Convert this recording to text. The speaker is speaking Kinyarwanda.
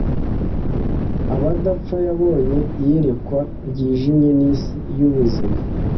Abadapfa Yabonye iyerekwa ryijimye Nisi yubuzima